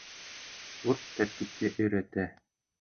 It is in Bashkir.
Спорт тәртипкә өйрәтә.